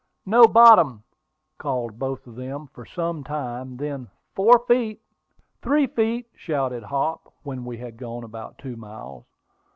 "No bottom!" called both of them, for some time; then, "Four feet." "Three feet!" shouted Hop, when we had gone about two miles.